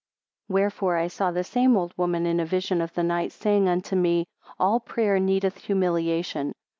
112 Wherefore I saw the same old woman in a vision of the night saying unto me, All prayer needeth humiliation.